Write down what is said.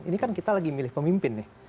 ini kan kita lagi milih pemimpin nih